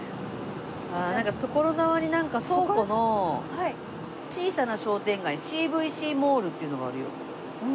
ああなんか所沢になんか倉庫の小さな商店街Ｃ．Ｖ．Ｃモールっていうのがあるよ。